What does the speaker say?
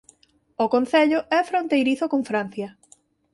O concello é fronteirizo con Francia.